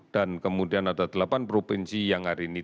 dan kemudian ada delapan provinsi yang hari ini tidak